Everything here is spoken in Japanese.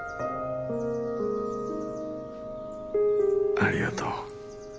ありがとう。